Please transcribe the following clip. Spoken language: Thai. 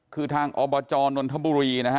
คือทางอบจนทบุรี